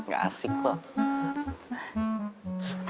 gak asik loh